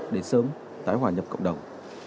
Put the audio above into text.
để sớm tái hòa nhập cộng đồng